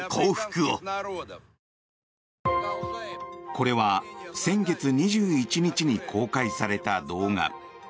これは先月２１日に公開された動画。